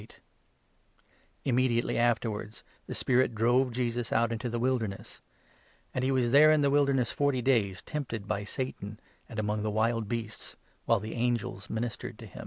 The Immediately afterwards the Spirit drove Jesus 12 Temptation out into the Wilderness ; and he was there in the 13 of Jesus. Wilderness forty days, tempted by Satan, and among the wild beasts, while the angels ministered to him.